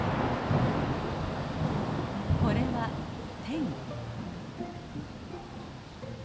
これはテン。